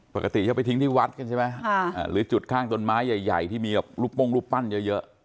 ปกติเขาไปทิ้งที่วัดกันใช่ไหมหรือจุดข้างต้นไม้ใหญ่ที่มีแบบรูปโป้งรูปปั้นเยอะ